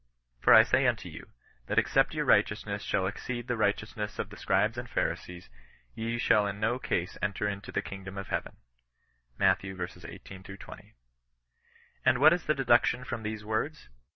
For I say unto you, that except your righteousness shall exceed the righteousness of the scribes and pharisees, ye shall in no case enter into the kingdom of heaven," Matt. v. 18 — 20. And what is the deduction from these words